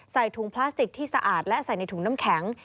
ใส่ถุงพลาสติกที่สะอาดและใส่ในถุงน้ำแข็ง